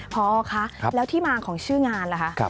พอคะแล้วที่มาของชื่องานล่ะคะ